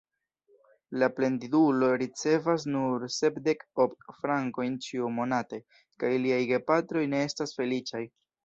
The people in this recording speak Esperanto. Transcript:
La plendidulo ricevas nur sepdek ok frankojn ĉiumonate, kaj liaj gepatroj ne estas feliĉaj.